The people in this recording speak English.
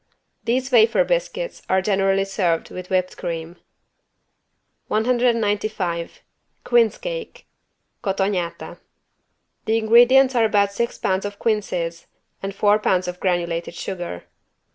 These wafer biscuits are generally served with whipped cream. 195 QUINCE CAKE (Cotognata) The ingredients are about six pounds of quinces and four pounds of granulated sugar.